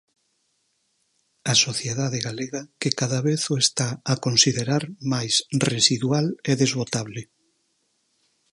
A sociedade galega que cada vez o está a considerar máis residual e desbotable.